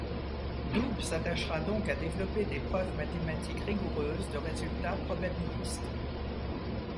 Doob s'attachera donc à développer des preuves mathématiques rigoureuses de résultats probabilistes.